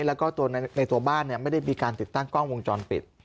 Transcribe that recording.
แล้วก็ตัวในตัวบ้านไม่ได้มีการติดตั้งกล้องวงจรปิด